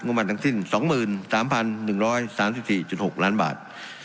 งบัตรทั้งสิ้นสองหมื่นสามพันหนึ่งร้อยสามสิบสี่จุดหกล้านบาท